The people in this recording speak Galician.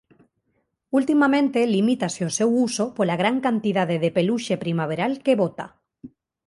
Ultimamente limítase o seu uso pola gran cantidade de peluxe primaveral que bota.